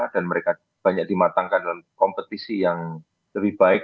dan mereka banyak dimatangkan dalam kompetisi yang lebih baik